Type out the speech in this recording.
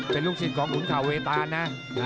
เป็นลูกศิษย์ของขุนข่าวเวตานนะ